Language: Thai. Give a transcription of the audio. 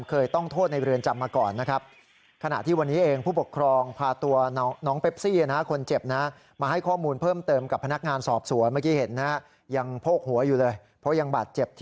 เคยต้องโทษในเรือนจำมาก่อนนะครับ